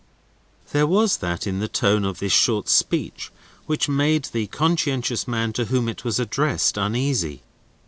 There was that in the tone of this short speech which made the conscientious man to whom it was addressed uneasy.